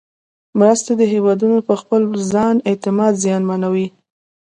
مرستې د هېوادونو پر خپل ځان اعتماد زیانمنوي.